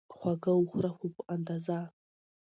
خواږه وخوره، خو په اندازه